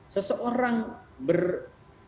seseorang berpakaian kontraksional